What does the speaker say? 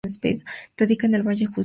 Radica en el valle Hudson de Nueva York.